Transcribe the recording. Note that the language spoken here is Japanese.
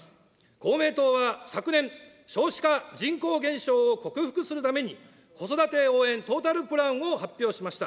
公明党は昨年、少子化・人口減少を克服するために、子育て応援トータルプランを発表しました。